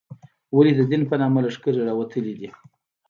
ولې د دین په نامه لښکرې راوتلې دي.